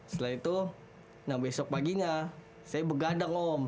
setelah itu besok paginya saya begadang om